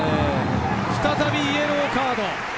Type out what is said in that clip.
再びイエローカード。